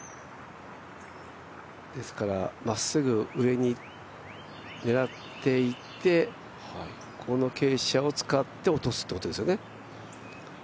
ですからまっすぐ上にねらっていって、ここの傾斜を使って落とすということですよね。